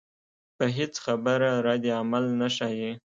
پۀ هېڅ خبره ردعمل نۀ ښائي